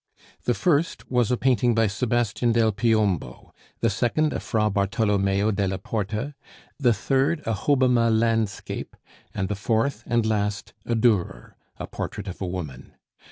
The first was a painting by Sebastian del Piombo, the second a Fra Bartolommeo della Porta, the third a Hobbema landscape, and the fourth and last a Durer a portrait of a woman.